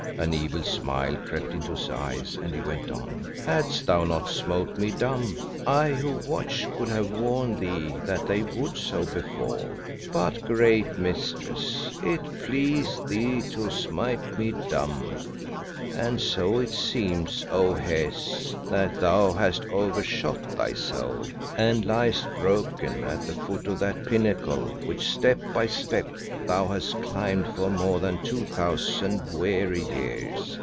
An evil smile crept into his eyes and he went on "Hadst thou not smote me dumb, I who watched could have warned thee that they would so befall; but, great mistress, it pleased thee to smite me dumb. And so it seems, O Hes, that thou hast overshot thyself and liest broken at the foot of that pinnacle which step by step thou hast climbed for more than two thousand weary years.